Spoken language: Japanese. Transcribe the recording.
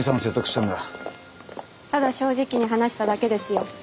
ただ正直に話しただけですよ。